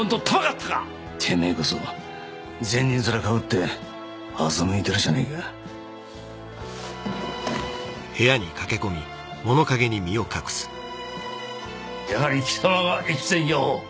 てめぇこそ善人面かぶって欺いてるじゃねぇかやはり貴様が越前屋を？